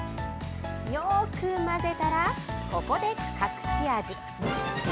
よーく混ぜたら、ここで隠し味。